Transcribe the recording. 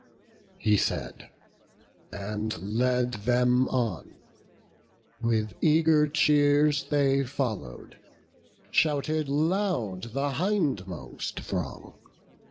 He said, and led them on; with eager cheers They followed; shouted loud the hindmost throng.